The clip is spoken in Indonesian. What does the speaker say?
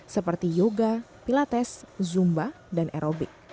seperti yoga pilates zumba dan aerobik